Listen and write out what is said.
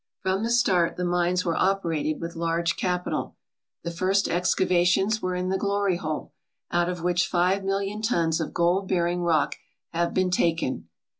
From the start the mines were operated with large capital. The first excavations were in the Glory Hole, out of which five million tons of gold bearing rock have been taken.